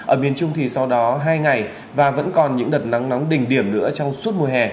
ở miền trung thì sau đó hai ngày và vẫn còn những đợt nắng nóng đỉnh điểm nữa trong suốt mùa hè